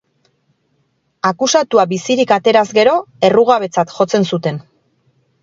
Akusatua bizirik ateraz gero, errugabetzat jotzen zuten.